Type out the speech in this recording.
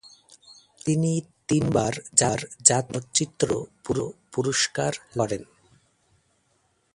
তিনি তিনবার জাতীয় চলচ্চিত্র পুরস্কার লাভ করেন।